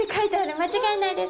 間違いないです。